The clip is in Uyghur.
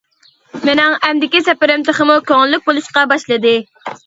مىنىڭ ئەمدىكى سەپىرىم تېخىمۇ كۆڭۈللۈك بولۇشقا باشلىدى.